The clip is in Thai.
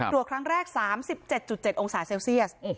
ตรวจครั้งแรก๓๗๗องศาเซลเซียส